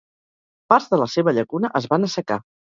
Parts de la seva llacuna es van assecar.